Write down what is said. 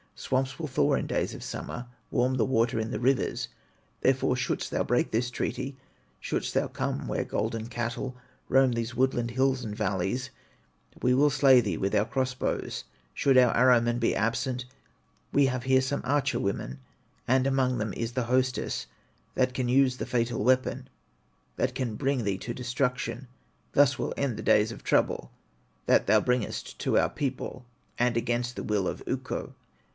Swamps will thaw in days of summer, Warm, the water in the rivers. Therefore shouldst thou break this treaty, Shouldst thou come where golden cattle Roam these woodland hills and valleys, We will slay thee with our cross bows; Should our arrow men be absent, We have here some archer women, And among them is the hostess, That can use the fatal weapon, That can bring thee to destruction, Thus will end the days of trouble That thou bringest to our people, And against the will of Ukko.